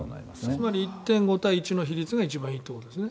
つまり１．５対１の比率が一番いいってことですね。